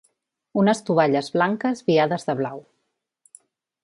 Unes tovalles blanques viades de blau.